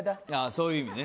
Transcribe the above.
そういう意味ね